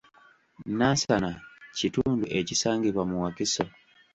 Nansana kitundu ekisangibwa mu Wakiso.